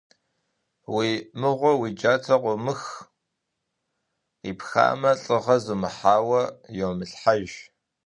И мыгъуэу уи джатэ къыумых, къипхамэ, лӀыгъэ зумыхьауэ йомылъхьэж.